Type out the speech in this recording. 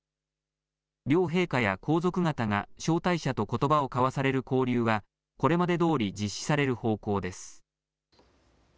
両陛下や皇族方が招待者とことばを交わされる交流はこれまでどおり実施される方向です。